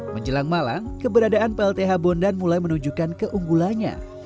menjelang malang keberadaan plth bondan mulai menunjukkan keunggulannya